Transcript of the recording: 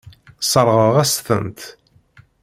Sseṛɣeɣ-as-tent.